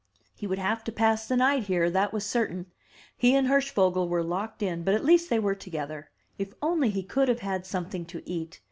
He would have to pass the night here, that was certain. He and Hirschvogel were locked in, but at least they were together. If only he could have had something to eat!